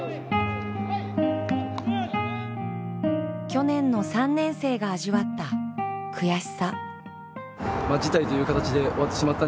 去年の３年生が味わった悔しさ。